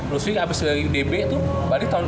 ludwig abis dari udb tuh balik tahun